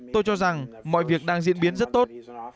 tôi cho rằng mọi việc đang diễn biến rất tốt